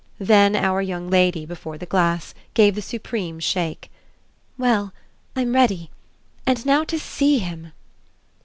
Then our young lady, before the glass, gave the supreme shake. "Well, I'm ready. And now to SEE him!"